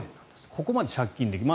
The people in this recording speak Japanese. ここまで借金できる。